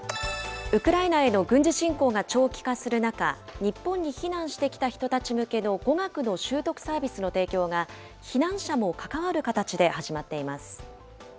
ウクライナへの軍事侵攻が長期化する中、日本に避難してきた人たち向けの語学の習得サービスの提供が、避難者も関わる形で始まっています。